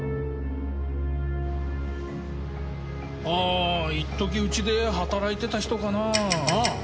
ああ一時うちで働いてた人かなぁ。